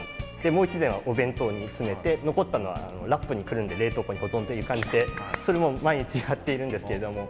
もう一膳はお弁当に詰めて残ったのはラップにくるんで冷凍庫に保存という感じでそれを毎日やっているんですけれども。